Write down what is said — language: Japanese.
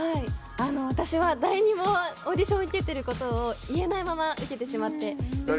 私は誰にもオーディションを受けてることを言えないまま受けてしまって。